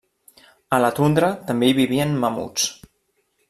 A la tundra també hi vivien mamuts.